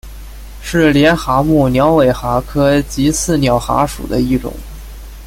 是帘蛤目鸟尾蛤科棘刺鸟蛤属的一种。